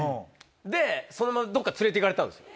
でそのままどっか連れて行かれたんですよ。